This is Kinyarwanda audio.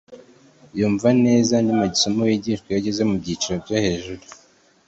yumva neza andi masomo yigishwa iyo ageze mu byiciro byo hejuru”